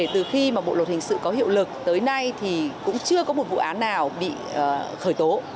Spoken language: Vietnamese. từ khi mà bộ luật hình sự có hiệu lực tới nay thì cũng chưa có một vụ án nào bị khởi tố